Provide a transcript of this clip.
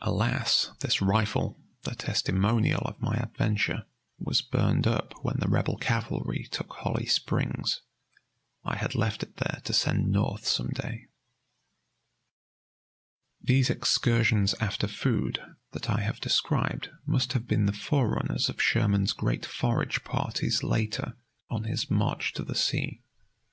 Alas! this rifle, the testimonial of my adventure, was burned up when the Rebel cavalry took Holly Springs. I had left it there to send North some day. These excursions after food that I have described must have been the forerunners of Sherman's great forage parties later, on his "march to the sea."